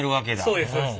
そうですそうです。